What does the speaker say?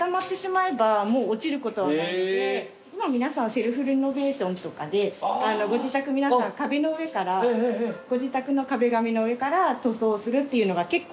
セルフリノベーションとかでご自宅皆さん壁の上からご自宅の壁紙の上から塗装するっていうのが結構。